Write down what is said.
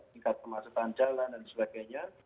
tingkat kemacetan jalan dan sebagainya